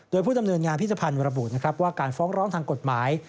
โดยผู้ดำเนินงานพิธภัณฑ์ระบุนะครับว่าการฟ้องร้องทางกฎหมาย